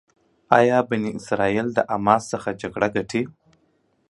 ایا اسرائیل د حماس پر وړاندې جګړه ګټي؟